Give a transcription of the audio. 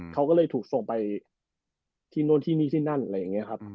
เขาก็เลยถูกส่งไปที่นู่นที่นี่ที่นั่นอะไรอย่างนี้ครับ